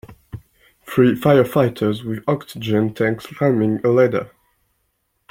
Three firefighters with oxygen tanks climbing a ladder.